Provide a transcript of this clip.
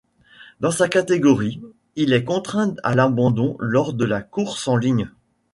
Dans sa catégorie, il est contraint à l'abandon lors de la course en ligne.